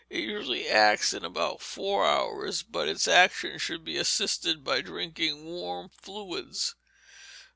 It usually acts in about four hours, but its action should be assisted by drinking warm fluids.